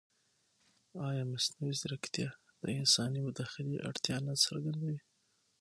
ایا مصنوعي ځیرکتیا د انساني مداخلې اړتیا نه څرګندوي؟